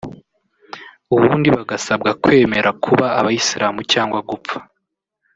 ubundi bagasabwa kwemera kuba abayisilamu cyangwa gupfa